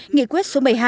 nghị quyết số một mươi hai